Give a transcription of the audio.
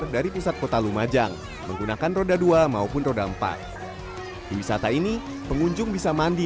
dari pusat kota lumajang menggunakan roda dua maupun roda empat di wisata ini pengunjung bisa mandi